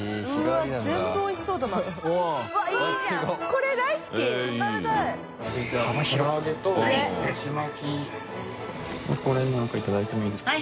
ここら辺の何かいただいてもいいですか？